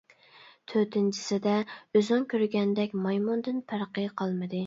تۆتىنچىسىدە ئۆزۈڭ كۆرگەندەك مايمۇندىن پەرقى قالمىدى.